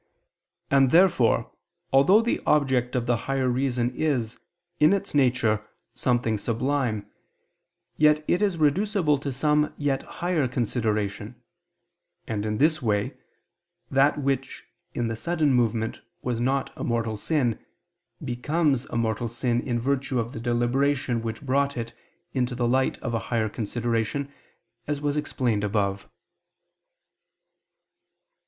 And therefore, although the object of the higher reason is, in its nature, something sublime, yet it is reducible to some yet higher consideration: and in this way, that which in the sudden movement was not a mortal sin, becomes a mortal sin in virtue of the deliberation which brought it into the light of a higher consideration, as was explained above.